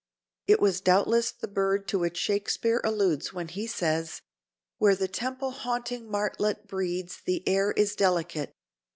It was doubtless the bird to which Shakespeare alludes when he says, "Where the temple haunting martlet breeds the air is delicate."